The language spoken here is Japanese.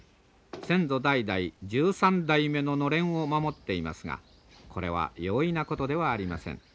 先祖代々１３代目ののれんを守っていますがこれは容易なことではありません。